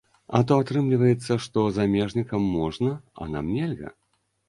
А то атрымліваецца, што замежнікам можна, а нам нельга?